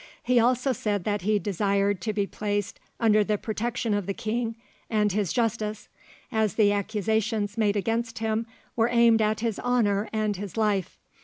He also said that he desired to be placed under the protection of the king and his justice, as the accusations made against him were aimed at his honour and his life.